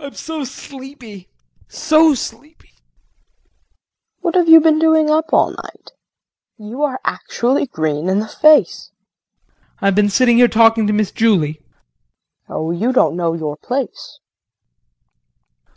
I'm so sleepy, so sleepy. KRISTIN. What have you been doing up all night? You are actually green in the face. JEAN. I have been sitting here talking to Miss Julie. KRISTIN. Oh you don't know your place.